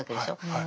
はい。